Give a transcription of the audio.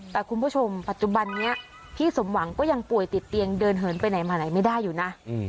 แต่คุณผู้ชมปัจจุบันนี้พี่สมหวังก็ยังป่วยติดเตียงเดินเหินไปไหนมาไหนไม่ได้อยู่นะ